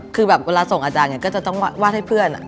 คือแบบเวลาส่งอาจารย์ก็จะต้องวาดให้เพื่อน